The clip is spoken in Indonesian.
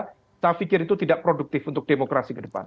kita pikir itu tidak produktif untuk demokrasi ke depan